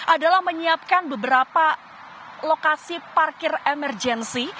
adalah menyiapkan beberapa lokasi parkir emergensi